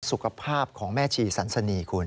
สุขภาพของแม่ชีสันสนีคุณ